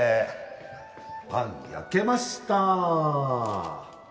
パン焼けました。